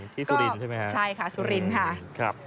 สุรินทร์ใช่ไหมคะใช่ค่ะสุรินทร์ค่ะ